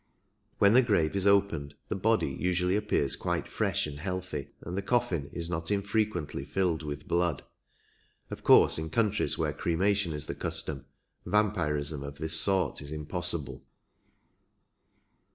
When the grave is opened the body usually appears quite fresh and healthy, and the coffin is not infrequently filled with blood. Of course in countries where cremation is the custom vampirism of this sort is impos sible.